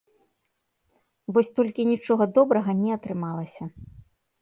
Вось толькі нічога добрага не атрымалася.